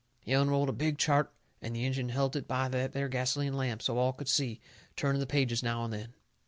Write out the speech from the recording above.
He unrolled a big chart and the Injun helt it by that there gasoline lamp, so all could see, turning the pages now and then.